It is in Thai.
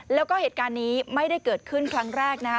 แล้วก็เหตุการณ์นี้ไม่ได้เกิดขึ้นครั้งแรกนะคะ